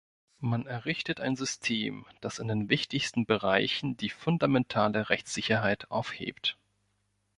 Man errichtet ein System, das in den wichtigsten Bereichen die fundamentale Rechtssicherheit aufhebt.